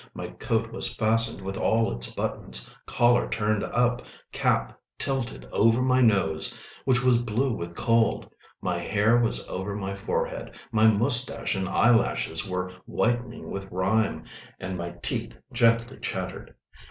My coat was fastened with all its buttons, collar turned up, cap tilted over my nose, which was blue with cold; my hair was over my forehead, my moustache and eyelashes were whitening with rime, and my teeth gently chattered.